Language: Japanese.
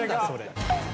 それ。